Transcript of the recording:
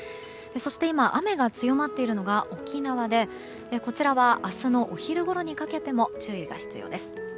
そして今、雨が強まっているのが沖縄でこちらは明日のお昼ごろにかけても注意が必要です。